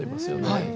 はい。